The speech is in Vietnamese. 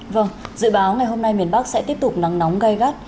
vâng dự báo ngày hôm nay miền bắc sẽ tiếp tục nắng nóng gai gắt